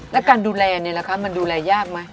แล้วการดูแลเนี่ยแหละคะมันดูแลยากไหม